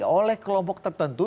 oleh kelompok tertentu